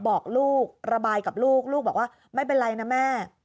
บอกลูกระบายกับลูกลูกบอกว่าไม่เป็นไรนะแม่